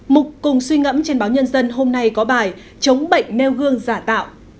mục cùng suy ngẫm trên báo nhân dân hôm nay có bài chống bệnh nêu gương giả tạo